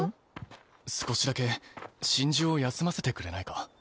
少しだけ真珠を休ませてくれないか？